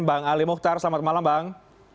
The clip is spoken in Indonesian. bang ali mokhtar selamat malam bang